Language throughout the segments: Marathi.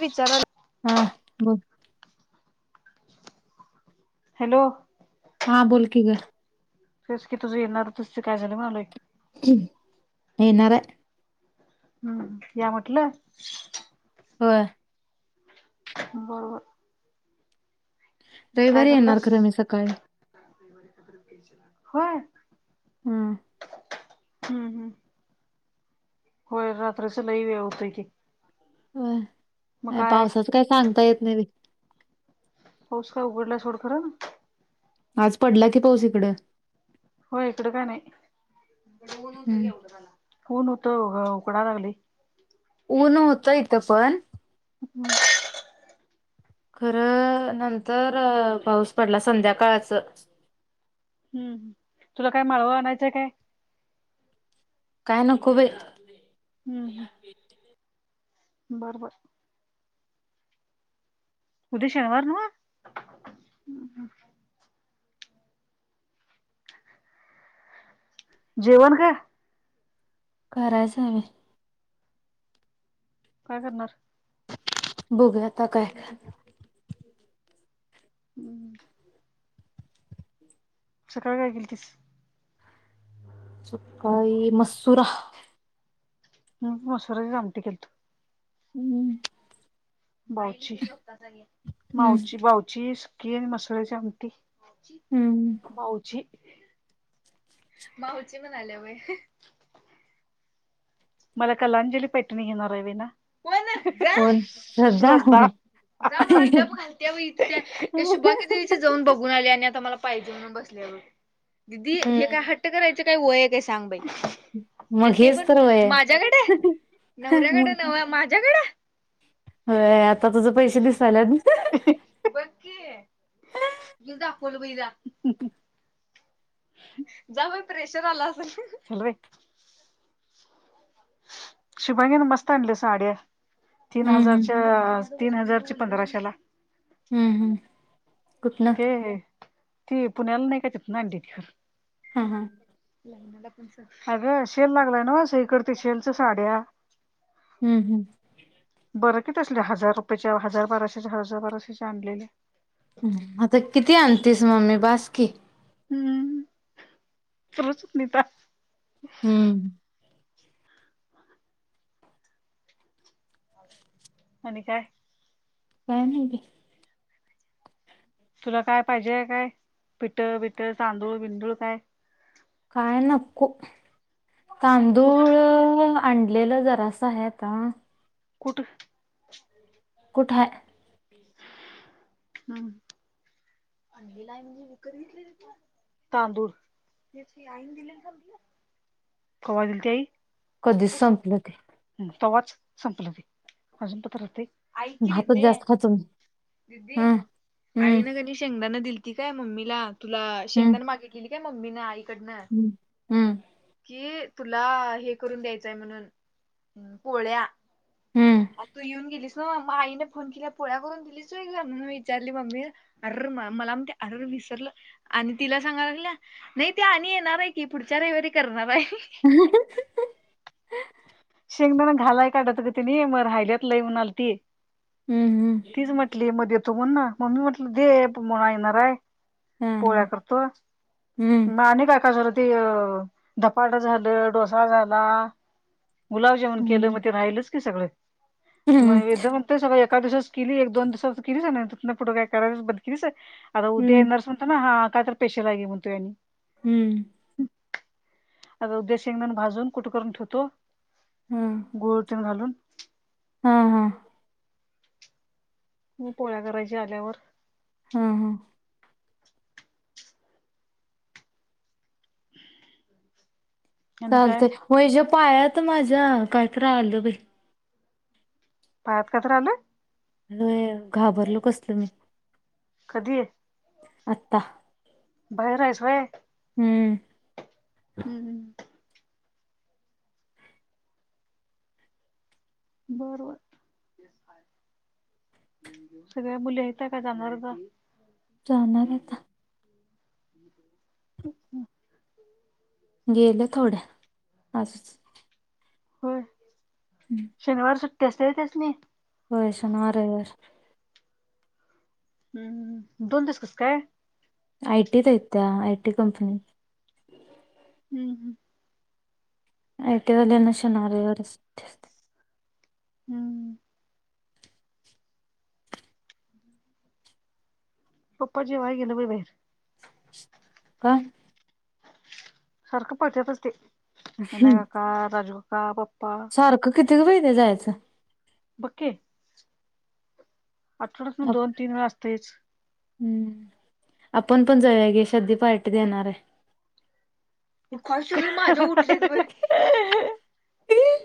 विचारा हा बोल. हॅलो. हा बोल की गं. तेचकी तुझी येणार तु शिकाय जा म्हणालय. येणार आहे. हम्म या म्हटलं. होय. बरोबर काय रविवारी येणार करलंस खरं मी सकाळी होय. हम्म. हम्म हम्म. होय रात्रीचा लई वेळ होतय की. होय या पावसाचं काय सांगता येत नाही वय. पाऊस काय उघडलाय सोड खरं. आज पडला की पाऊस इकडं. होय इकडं काय नाही हम्म ऊन होत गं उकडा लागलय. ऊन होतं इथं पण हम्म. खरं नंतर अ पाऊस पडला संध्याकाळचा. हम्म तुला काय माळवा आणायचाय काय? काय नको बाई. हम्म हम्म. बरोबर. उद्या शनिवार ना? जेवण काय? करायचा व्हय. काय करणार? बघूया आताकाय. हम्म. सकाळी काय केलतीस? सकाळी मंसूरा मी मसुराची आमटी केलतो. हम्म. बावची हम्म मावची बावची सुकी आणि मसुराची आमटी. हम्म भाऊची माऊची म्हणाल्या वय मला कलांजली पैठणी घेणार आहे विना. होय ना. कोण ये श्रद्धा झोपा अगं मला डब घालत्या म्हणत्या त्या शुभांगी ताईची जाऊन बघून आल्या आणि आता मला पाहिजे म्हणून बसल्या बघ. दीदी हे काय हम्म हट करायचं काय वय काय सांग बाई? मग आणि ते हेच पण तर उ माझ्याकडे मग नवऱ्याकडे काय नव्ह माझ्याकडे? होय, आता तुझ पैसे दिसायल्यात. बघकी, दाखवलं बघ हिला. जा बाई प्रेशर आलं असेल. चलरे. शुभांगीनं मस्त आणल्या साड्या, तीन हम्म हम्म हजारच्या तीन हजारची पंधराशेला. हम्म हम्म. कुठलं ती पुण्याला नाही का तिथनं आणत्या ती. हां हां. अगं शेल लागलाय नव्ह, सगळीकड ती शेलच्या साड्या. हम्म हम्म. बरं की तसलं. हजार रुपयच्या हजार बाराशेच्या हजार बाराशेचे आणलेले. आता किती आणतीस मम्मे बाासकी. हम्म [unintelligible] हम्म. आणि काय? काय नाय की. तुला काय पाहिजे हाय काय? पिठ, बिठ, तांदूळ, बिंदूळ काय? काय नको. कुठ तांदूळ आणलेलं जरासं हाय आता. कुठं कुठाय? हां तांदूळ तेच की आईन दिलेल संपलं. कोणत्याही कधीच संपलं ते. ह तव्हाच संपलं ते अजून पत्रहते भातच जास्त खातो. दिदी हम्म. हम्म आईनं का नाय शेंगदानं दिलीती काय मम्मीला. तुला शेंगदानं मागितलेली काय मम्मीनं आईकडनं. हम्म हम्म की तुला हे करून द्यायचंय म्हणून. पोळ्या हम्म. आज तू येऊन गेलीस नव, मग आईने फोन केला पोळ्या करून. हेच होय ग म्हणून विचारली मम्मी, अर्र मला म्हणत्या अर्र विसरलं. आणि तिला सांगा लागल्या, नाही ती आणि येणार हाय की पुढच्या रविवारी करणार हाय. [unintelligible] शेंगदाना घालाय काढला होता ग तेनी, मग राहिल्यात लय म्हणालती. हम्म हम्म. तीच म्हटली म देतो म्हणून, म्हणून म्हटलं दे [unintelligible] येणार हा. हा हा हम् आणि काय काय जोरतीय धपाटा झालं, डोसा झाला गुलाबजामन केलं हम्म मग ते राहिलच की सगळं हम्म म हम्म वेदा म्हणतोय सगळे एका दिवसाच केलीय एक दोन दिवसाच केलीस आहे ना तिथनं पुढं काय करायच ब केलीस आता उद्या हम्म येणार सन पण हा काय तर पेशल आहे की म्हणतो यांनी हम्म. आता उद्या शेंगदून भाजून कुटं करून ठेवतो हम्म. गोड तेन घालून हा हा. म पोळ्या करायची आल्यावर. हा हा. आणि काय चालतं ओय ज्या पायात माझ्या काय तर राहिलं बाई. पायात काय तर आलाय? आलोय घाबरलो कसलं मी. कधी आत्ता बाहेर आहेस वय? हम्म. हम्म हम्म. बरोबर सगळ्या मुली येतात काय जाणार गं? जाणार आता. ह अच्छा गेले थोड्या आज. होय शनिवार सुट्टी असते तेच नी. होय शनिवार, रविवार. हम्म दोन दिवस कसं काय? आय टीत आहेत त्या आय टी कंपनी. हम्म हम्म. आय टी वाल्यांना शनिवार, रविवार सुट्टी असते. हम्म. पप्पा जेवाय गेलोय बाई बाहेर. का सारखं पटयत असते विनाय हम्म. काका, राजूकाका, पप्पा सारखं किती गं बाय जायच? बघ की आठवड्यातनं आप- दोन-तीन वेळ असतेच. हम्म, आपण पण जाय गे सद्दी पार्टी देणार आहे. [unintelligible]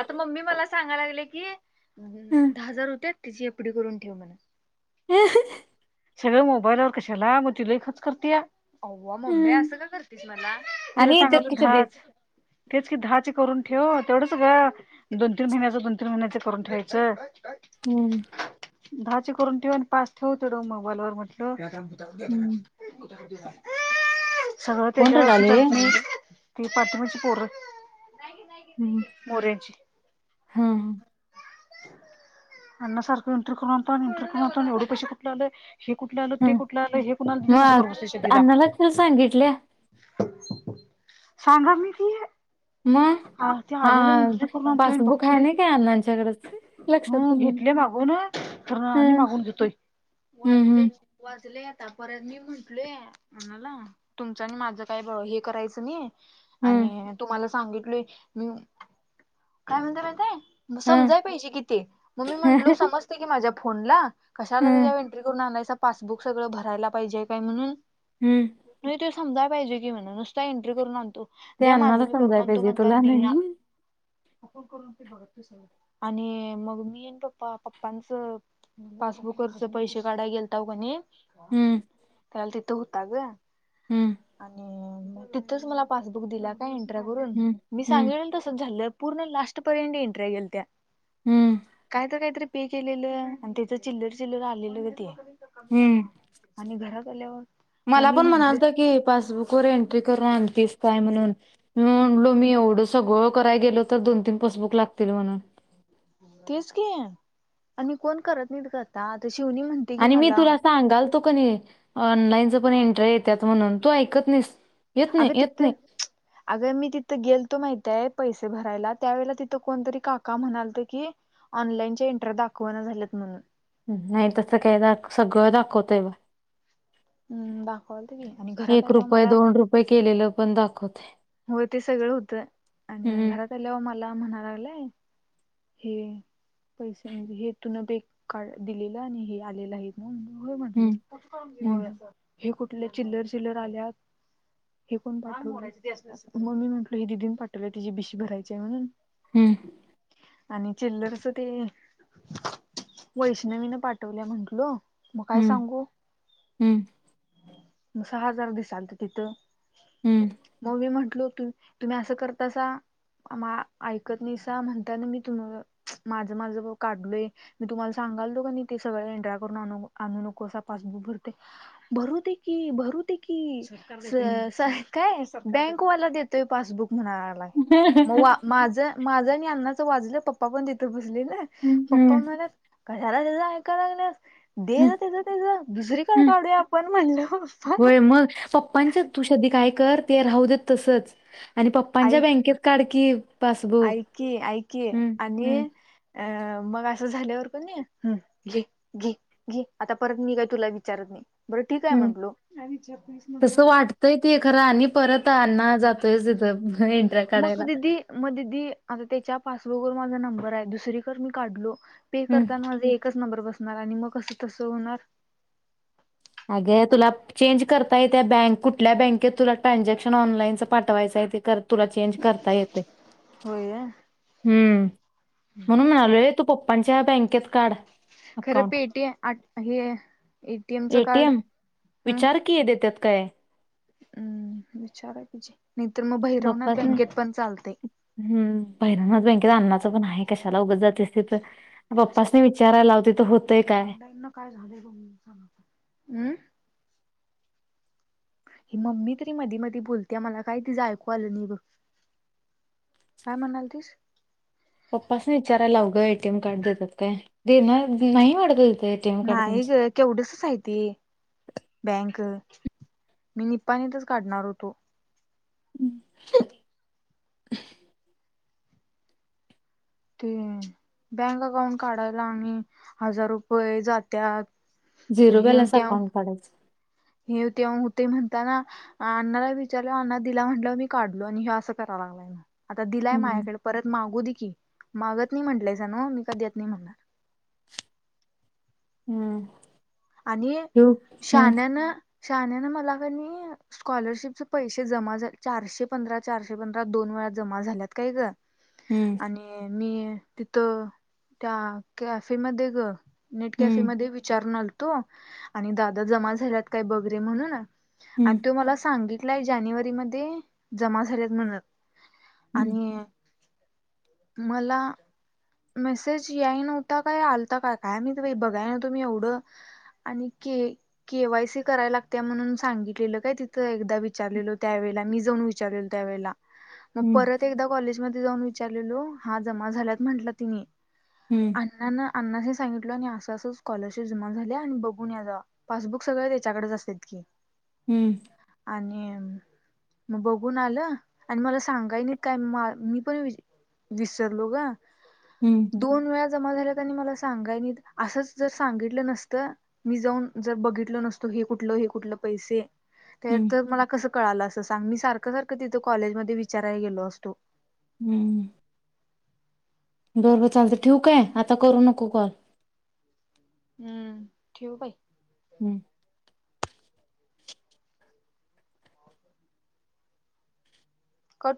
आता मम्मी मला सांगा लागले की हम्म. दहा हजार होते त्याची एपडी करून ठेव म्हणा. ह सगळे मोबाईलवर कशाला मग ती लई खर्च करतय. तिला आणि येतात सांगालव की सगळे दहाच तेच की दहाची करून ठेव तेवढं सगळं दोन-तीन महिन्याचा, दोन-तीन महिन्याच करून ठेवायचं. हम्म. दहाचे करून ठेव आणि पाच ठेव तुझा मोबाईलवर म्हटलं. [inaudible] हम्म. सगळं कोण त्याच्यावर असून रडालय चालत नाई ती पाठीमागची पोरं. हम्म. मोरेंचे हा अण्णा सारखं एन्ट्री करून आणतो आणि एन्ट्री करून आणतो आणि एवढे पैशे कुठले आले? हे कुठलं आलं हा ते कुठलं आलं हे कुणाला दिलीस असं मग करत बसतोय सिद्धीला. अण्णाला काल सांगितल्या सांगा मीती मग हा ते आलेलं एन्ट्री करून आणतोय आणि पासबुक आहे बघतोय. नाही काय अण्णांच्याकडच लक्षातच हम नाही. घेतलेय मागून खरन आणि हं मागून घेतोय हम्म वाजले. वाजलय आता परत मी म्हटलय ह्यणाला तुमचं आणि माझ काय ब हे करायचं नाही. हम्म आणि तुम्हाला सांगितलय मी काय म्हणतिय माहिताय. हं समजाय पाहिजे कि ते मग मी म्हटलो हं समजतय की माझ्या फोनला कशाला हं तिज्या वे आणायसा पासबुक सगळं भरायला पाहिजेय काय म्हणून. हम्म. नाइ ते समाजाय पाहिजे की म्हणा नुसता एंट्री करून आणतो. ते द्या माझ अण्णाला मी करून समजाय आणतो पाहिजे म्हणताना तुला दिना. नाही. आणि मग मी आणि पप्पा पप्पांच पासबुकवरच पैसे काडाय गेलताव कणी हम्म त्यावेळला तिथं हुता ग. हम्म आणि तिथंच मला पासबुक दिला काय एंट्र्या करून हम्म मी हम्म सांगितलेलो तसच झालं. पूर्ण लास्ट पर्यंत एंट्र्या गेलत्या हम्म कायतर कायतरी पे केलेलं आणि ते चिल्लर चिल्लर आलेले ग ते हम्म आणि घरात आल्यावर मला मम्मी पण म्हंटले म्हणायंलता की पासबुक वर एंट्री करून आणतीस काय म्हणून मी म्हणलो मी एवढंच सगळं कराय गेलो तर दोन तीन पसबुक लागतील म्हणून. तेच कि आणि कोण करत नाहीत ग आता ती शिवणी म्हण आणि मी तुला सांगालतो क नाही ऑनलाईनच पण एंट्र्या येत म्हणून तू ऐकत नाहीस. येत नाही अगं येत नाही तिथं अग मी तिथं गेलतो माहितीय पैसे भरायला त्यावेेळेला तिथं कोणतरी काका म्हणालत की ऑनलाइनच्या एंट्र्या दाखवना झाल्यात म्हणून. नाही तसं काय दा सगळं दाखवतय बघ. हम्म दाखवावलतं की आणि घरात आल्यावर मला व्हय केलेलं पण दाखवतयं. होय ते सगळं हुत आणि घरात आल्यावर मला म्हणाय लागलाय. हे पैसे म्हणजे हे तु न बे कारड दिलेलं आणि हे आलेलं आहेत. म मी होय म्हटलो हम्म हम्म ब हे कुठले चिल्लर चिल्लर आल्यात हे कोण पाठवल? म मी म्हटलो ही दिदीनं पाठवलिया तिजी बीसी भरायचीय म्हणून. हम्म. आणि चिल्लरच ते वैष्णवीनं पाठवल्या म्हटलो. मग काय हम्म सांगू म सहा हजार दिसायलत तिथं. हम्म. मग मी म्हटलो तु तुम्ही असं करतासा. मा ऐकत नाहीसा म्हणताना मी तुम माझं माझं ब काढलोय. मी तुम्हाला सांगायलतो क नाई ते सगळं एंट्र्या करून आणू नकोसा पासबुक भरतय. भरू दे की भरू दे कि स स काय बँकवाला देतोय पासबुक म्हणाय मग वा माझं माझं आणि अण्णाचं वाजलं पप्पा पण तिथं बसलेल. पप्पा हम्म म्हणायल्यात कशाला त्यज ऐकाय लागलियास. दे हम्म जा तेज तेज दुसरीकडं काढूया आपण म्हणल पप्पा हं हं. होय मग पपांच्यात तू श्रद्दी काय कर ते राहू देत तसच आणि पप्पांच्या बँकेत काढ की. पासबुक ऐक की ऐक की हम्म आणि हम्म अ मग असं झाल्यावर क नाई हं घे घे. घे आता परत मी काय तुला विचारत नाही बरं ठीकय म्हंटलो काय विचारतोयस म्हटलो. त खरं आणि परत अण्णा जातोयच तिथं इन मग दिदी मग दिदी आता त्याच्या पासबुक वर माझा नंबर आहे दुसरीकर मी काढलो. पे हम्म करताना माझ एकच नंबर बसणार आणि मग कसं तसं होणार. अगे तुला चेंज करता येतीया बँक कुठल्या बँकेत तुला ट्रानझॅक्शन ऑनलाईनच पाठवायचंय ते कर तुला चेंज करता येतय. होय हम्म म्हणून म्हणायलोय तू पप्पांच्या बँकेत काढ खरं अकाउंट पेटी आट अ हे एटीएमचं कार्ड एटीएम विचार की देत्यात काय. हम्म विचाराय पाईजे नाहीतर मग भैरवनाथ पप्पासनी बँकेत पण चालतयं. हम्म भैरवनाथ बँकेत आण्णाचं पण आहे कशाला उगचं जातीस तिथं. पप्पाासनी विचारय लाव तिथं होतंय काय? ऑनलाईन न काय झाले हम्म हं अं हि मम्मी तरी मधी मधी बोलतिया मला काय तिज ऐकू आलं नाही बघ. काय म्हणायलतीस? पप्पास्नी विचाराय लाव गं एटीएम कार्ड देत्यात काय दे ना नाही वाटत तिथं येत. नाही ग. केवढसच आहे ते बँक मी निपाणीतच काढणार होतो. अ ह अं. ते बँक अकाउंट काढायला आणि हजार रुपये जात्यात. झिरो बॅलन्स अकाउंट काडायचं. हे तेव होतय म्हणताना आण्णाला विचारल्यावर अण्णा दिला म्हंटल्यावर मी काढलो आणि ह्यो असं कराय लागलाय म. आता दिलाय हम्म माझ्याकडं परत मागू दे की मागत नाही म्हटलायसा नव्हं मी काय देत नाही म्हणणार. हम्म. आणि ठेवू? हम्म शहाण्यानं शहाण्यानं मला कणी स्कॉलरशिपचं पैसे जमा झा चारशे पंधरा चारशे पंधरा दोन वेळा जमा झाल्यात काय ग. हम्म. आणि मी तिथं त्या कॅफे मध्ये ग नेट कॅफे हम्म मध्ये विचारून आलतो आणि दादा जमा झाल्यात काय बघरे म्हणून. आणि हम्म तो मला सांगितलाय जानेवारी मध्ये जमा झाल्यात म्हणून. हम्म आणि मला मेसेज याय नव्हता काय आलता का काय माहित बाई बघाय नव्हतो मी एवढं. आणि के केवाय सी करायला लागत्या म्हणून सांगितलेलं काय तिथं एकदा विचारलेलो त्यावेेळेला मी जाऊन विचारलेलो त्यावेेळेला. मग हम्म परत एकदा कॉलेज मध्ये जाऊन विचारलेलो हा जमा झाल्यात म्हंटल तिनी. हम्म. अण्णांन आण्णांन्सी सांगितलेलो आणि असं असं स्कॉलरशिप जमा झाल्या आणि बघून या जावा. पासबुक सगळं त्याच्याकडंच असत्यात की. हम्म. आणि म बघून आलं आणि मला सांगाय नाहीत काय म मी पण वि विसरलो ग. हम्म. दोन वेळा जमा झाल्या त्यांनी मला सांगायनीत असंच जर सांगितलं नसतं मी जाऊन जर बघितल नसतो हे कुठलं हे कुठलं पैसे ते हम्म तर मला कसं कळालं असं सांग मी सारखं सारखं तिथं कॉलेजमध्ये विचाराय गेलो असतो. हम्म. बरोबर चालतं ठेवू काय आता करू नको कॉल. हम्म ठेव बाई. हम्म. कट